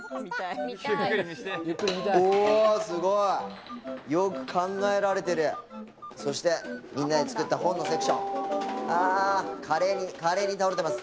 おすごいよく考えられてるそしてみんなで作った本のセクションあ華麗に華麗に倒れてます